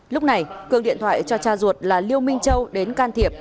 lúc này cương điện thoại cho cha ruột là liêu minh châu đến canh